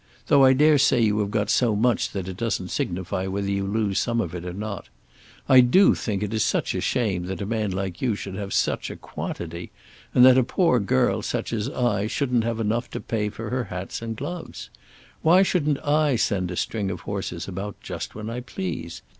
Though I dare say you have got so much that it doesn't signify whether you lose some of it or not. I do think it is such a shame that a man like you should have such a quantity, and that a poor girl such as I am shouldn't have enough to pay for her hats and gloves. Why shouldn't I send a string of horses about just when I please?